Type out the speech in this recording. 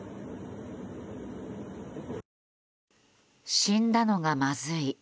死んだのがまずい。